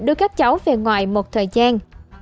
đưa các cháu về ngoài một thời gian